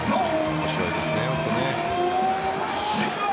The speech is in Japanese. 面白いですね、本当に。